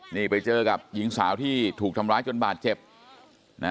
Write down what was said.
นี่ไปเจอกับหญิงสาวที่ถูกทำร้ายจนบาดเจ็บนะ